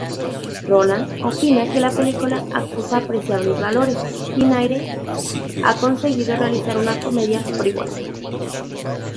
Roland opinó que la película "acusa apreciables valores...Tinayre ha conseguido realizar una comedia frívola".